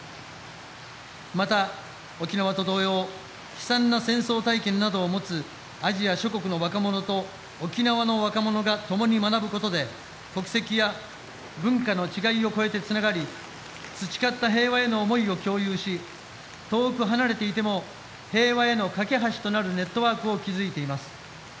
また、沖縄と同様悲惨な戦争体験などを持つアジア諸国の若者と沖縄の若者が共に学ぶことで、国籍や文化の違いを越えてつながり培った平和への思いを共有し遠く離れていても「平和への懸け橋」となるネットワークを築いています。